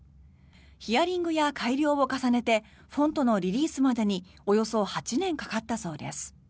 ヒアリングや改良を重ねてフォントのリリースまでにおよそ８年かかったそうです。